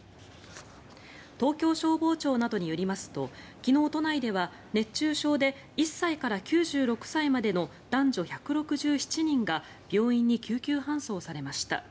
東京消防庁などによりますと昨日、都内では熱中症で１歳から９６歳までの男女１６７人が病院に救急搬送されました。